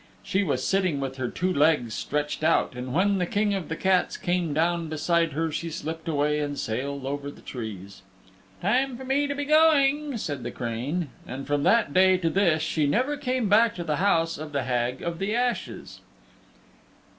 She was sitting with her two legs stretched out, and when the King of the Cats came down beside her she slipped away and sailed over the trees. "Time for me to be going," said the crane. And from that day to this she never came back to the house of the Hag of the Ashes.